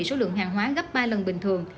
số lượng hàng hóa gấp ba lần bình thường